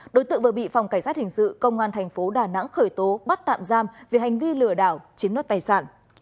đối tượng vừa bị phòng cảnh sát hình sự công an thành phố đà nẵng khởi tố bắt tạm giam vì hành vi lừa đảo chiếm đoạt tài sản